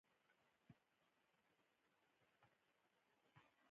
په دغه بازار کې اسعارو تبادله په نغدي ډول ترسره کېږي.